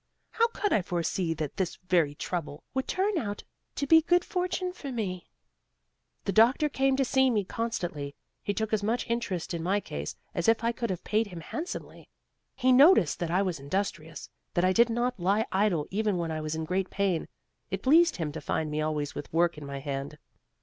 How could I foresee that this very trouble would turn out to be good fortune for me?" "The doctor came to see me constantly; he took as much interest in my case as if I could have paid him handsomely. He noticed that I was industrious, that I did not lie idle even when I was in great pain. It pleased him to find me always with work in my hand.